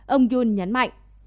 ông yoon nhấn mạnh